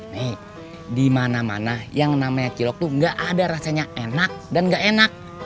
nih di mana mana yang namanya cilok tuh gak ada rasanya enak dan gak enak